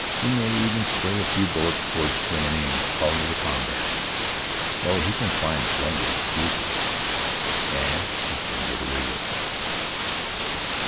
He may even spray a few bullets toward Germany and call it a combat. Oh, he can find plenty of excuses, and he can get away with them."